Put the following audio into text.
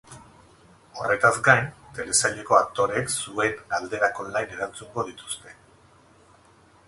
Horretaz gain, telesaileko aktoreek zuen galderak online erantzungo dituzte.